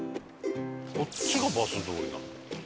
こっちがバス通りなのかな？